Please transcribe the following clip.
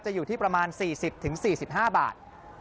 อยู่ที่ประมาณ๔๐๔๕บาท